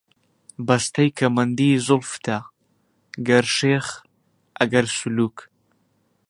بەستەی کەمەندی زوڵفتە، گەر شێخ، ئەگەر سولووک